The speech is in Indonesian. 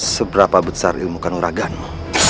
seberapa besar ilmu kanuraganmu